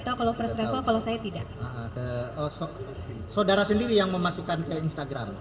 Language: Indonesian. tahu kalau perspira kalau saya tidak ke sosok saudara sendiri yang memasukkan ke instagram